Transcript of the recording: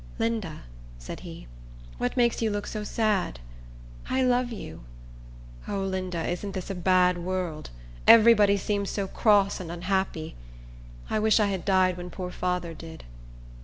"Linda," said he, "what makes you look so sad? I love you. O, Linda, isn't this a bad world? Every body seems so cross and unhappy. I wish I had died when poor father did."